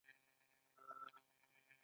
د کوسې غاښونه ډیر تېز دي